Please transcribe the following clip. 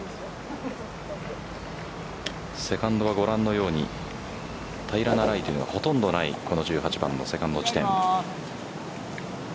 セカンドはご覧のように平らなライというのはほとんどない１８番のセカンド地点。